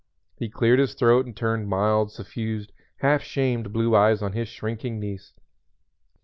He cleared his throat and turned mild, suffused, half shamed blue eyes on his shrinking niece.